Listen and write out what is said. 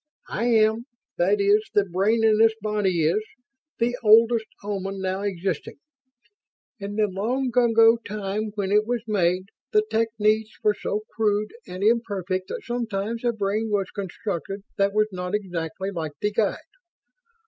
"I am that is, the brain in this body is the oldest Oman now existing. In the long ago time when it was made, the techniques were so crude and imperfect that sometimes a brain was constructed that was not exactly like the Guide.